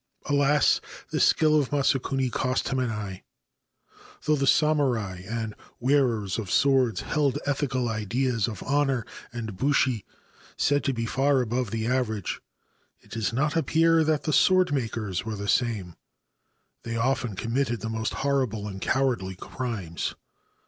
Alas, the skill of [asakuni cost him an eye ! Though the samurai and ;arers of swords held ethical ideas of honour and Bushi id to be far above the average, it does not appear that 157 Ancient Tales and Folklore of Japan the swordmakers were the same. They often committed the most horrible and cowardly crimes.